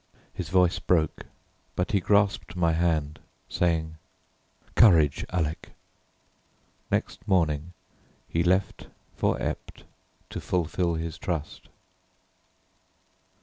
His voice broke, but he grasped my hand, saying, "Courage, Alec." Next morning he left for Ept to fulfil his trust.